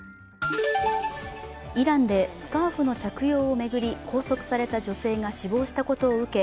イランでスカーフの着用を巡り拘束された女性が死亡したことを受け